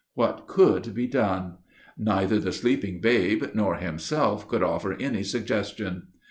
What could be done? Neither the sleeping babe nor himself could offer any suggestion.